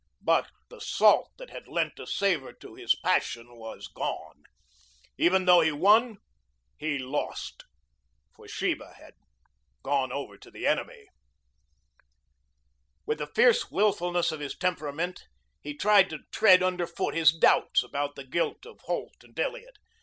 But the salt that had lent a savor to his passion was gone. Even though he won, he lost. For Sheba had gone over to the enemy. With the fierce willfulness of his temperament he tried to tread under foot his doubts about the guilt of Holt and Elliot.